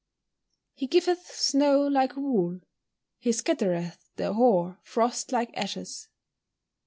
[Verse: "He giveth snow like wool: he scattereth the hoar frost like ashes."